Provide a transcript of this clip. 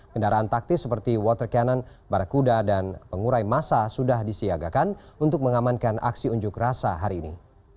kendaraan taktis seperti water cannon barakuda dan pengurai masa sudah disiagakan untuk mengamankan aksi unjuk rasa hari ini